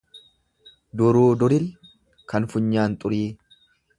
Duruu duril kan funyaan xurii.